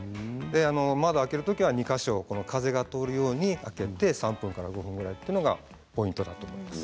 窓を開ける時は２か所、風が通るように開けて３分から５分というのがポイントだと思います。